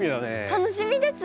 楽しみです。